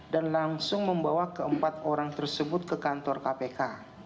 dan langsung membawa keempat orang tersebut ke kantor kpk